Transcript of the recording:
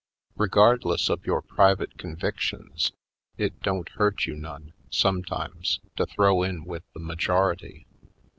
Regardless of your private convictions it don't hurt you none, sometimes, to throw in with the majority.